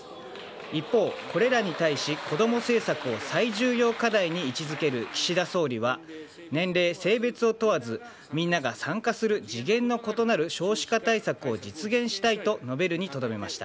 一方これらに対し、こども政策を最重要課題に位置付ける岸田総理は年齢性別を問わずみんなが参加する次元の異なる少子化対策を実現したいと述べるにとどめました。